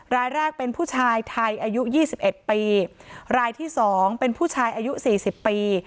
รายแรกเป็นผู้ชายไทยอายุ๒๑ปีรายที่๒เป็นผู้ชายอายุ๔๐ปี